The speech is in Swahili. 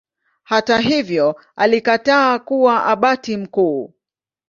Hata hivyo alikataa kuwa Abati mkuu.